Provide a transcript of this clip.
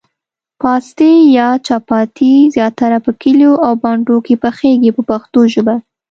پاستي یا چپاتي زیاتره په کلیو او بانډو کې پخیږي په پښتو ژبه.